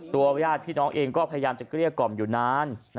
ญาติพี่น้องเองก็พยายามจะเกลี้ยกล่อมอยู่นาน